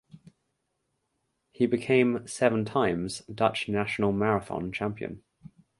He became seven times Dutch national marathon champion.